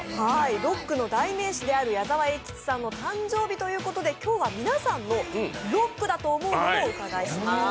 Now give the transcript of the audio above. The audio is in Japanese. ロックの代名詞である矢沢永吉さんの誕生日ということで、今日は皆さんのロックだと思うものをお伺いします。